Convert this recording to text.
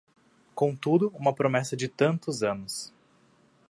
Contudo, uma promessa de tantos anos...